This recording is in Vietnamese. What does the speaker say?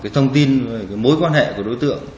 thông tin về mối quan hệ của đối tượng